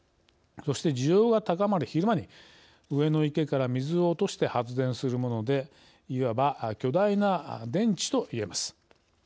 そして需要が高まる昼間に上の池から水を落として発電するものでいわば巨大な電池といえます。